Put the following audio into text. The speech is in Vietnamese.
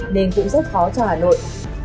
nên cũng rất khó cho hà nội